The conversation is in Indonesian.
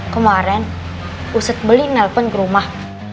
kemaren uset beli nelpon ke rumah